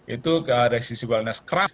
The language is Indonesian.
itu dari sisi wellness craft